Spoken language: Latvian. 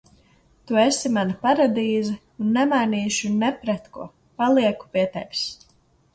Tu esi mana paradīze un nemainīšu ne pret ko, palieku pie tevis.